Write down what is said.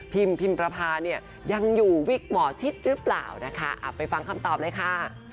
พิมประพาเนี่ยยังอยู่วิกหมอชิดหรือเปล่านะคะไปฟังคำตอบเลยค่ะ